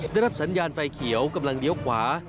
ได้รับสัญญาณไฟเขียวกำลังเลี้ยวขวา